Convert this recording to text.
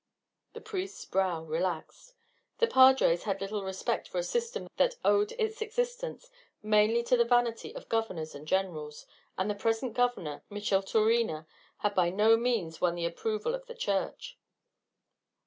The priest's brow relaxed. The padres had little respect for a system that owed its existence mainly to the vanity of governors and generals, and the present governor, Micheltorena, had by no means won the approval of the Church.